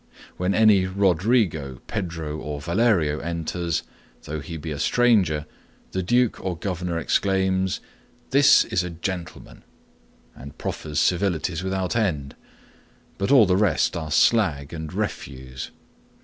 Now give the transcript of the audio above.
When any Rodrigo, Pedro or Valerio enters, though he be a stranger, the duke or governor exclaims, 'This is a gentleman,—and proffers civilities without end; but all the rest are slag and refuse.